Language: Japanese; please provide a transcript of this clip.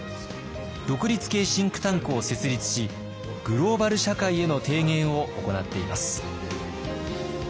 独立系シンクタンクを設立しグローバル社会への提言を行っています。